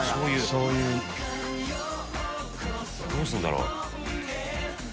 飯尾）どうするんだろう？